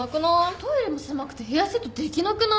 トイレも狭くてヘアセットできなくない？